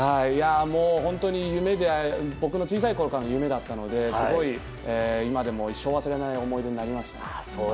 本当に僕の小さいころからの夢だったのですごい今でも一生忘れない思い出になりました。